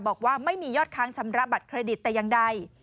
บอกว่าไม่มียอดค้างชำระบัตรเครดิตแต่อย่างใด